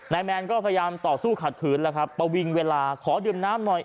แมนก็พยายามต่อสู้ขัดขืนแล้วครับประวิงเวลาขอดื่มน้ำหน่อย